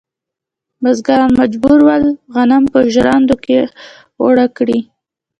بزګران مجبور ول غنم په ژرندو کې اوړه کړي.